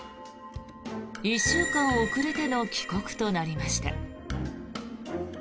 １週間遅れての帰国となりました。